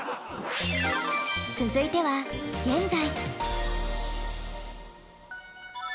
続いては現在。